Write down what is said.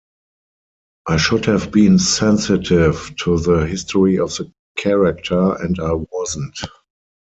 I should have been sensitive to the history of the character and I wasn't.